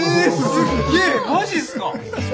すっげえマジっすか。